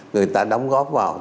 người ta đóng góp vào